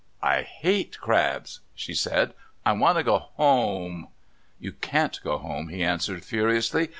"I hate crabs," she said. "I want to go home." "You can't go home," he answered furiously.